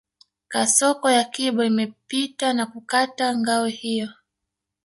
Kasoko ya Kibo imepita na kukata ngao hiyo